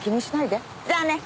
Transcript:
じゃあね。